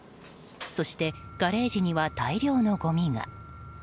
そしてガレージには大量のごみが。